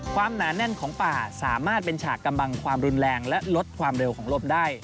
หนาแน่นของป่าสามารถเป็นฉากกำบังความรุนแรงและลดความเร็วของลมได้